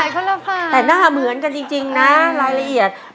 แต่หน้าเหมือนกันจริงนะรายละเอียด